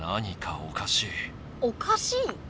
おかしい？